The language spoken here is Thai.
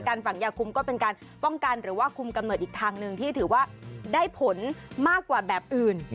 ฝั่งยาคุมก็เป็นการป้องกันหรือว่าคุมกำเนิดอีกทางหนึ่งที่ถือว่าได้ผลมากกว่าแบบอื่น